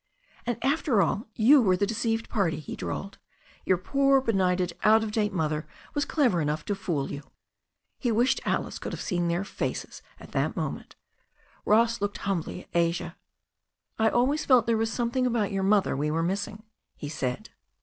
And after all, you were the deceived party," he drawled. Your poor benighted, out of date mother was clever enough to fool you." He wished Alice could have seen their faces at that moment. Ross looked humbly at Asia. "I always felt there was something about your mother we were missing," he said.